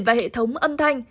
và hệ thống âm thảm